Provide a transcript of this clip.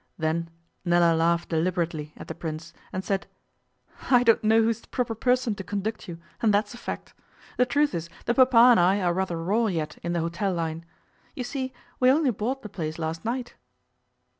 Then Nella laughed deliberately at the Prince, and said, 'I don't know who is the proper person to conduct you, and that's a fact. The truth is that Papa and I are rather raw yet in the hotel line. You see, we only bought the place last night.